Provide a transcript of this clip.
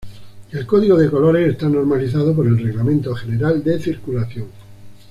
El código de colores está normalizado por el Reglamento General de Circulación.